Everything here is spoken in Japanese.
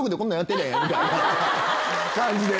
みたいな感じで。